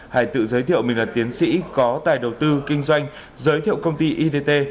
hải tự giới thiệu mình là tiến sĩ có tài đầu tư kinh doanh giới thiệu công ty ivt